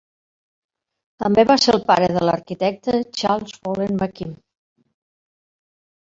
També va ser el pare de l'arquitecte Charles Follen McKim.